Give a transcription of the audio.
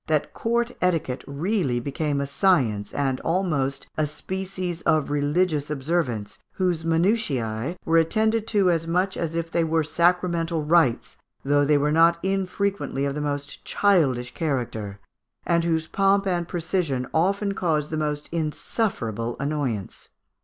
that court etiquette really became a science, and almost a species of religions observance, whose minutiae were attended to as much as if they were sacramental rites, though they were not unfrequently of the most childish character, and whose pomp and precision often caused the most insufferable annoyance.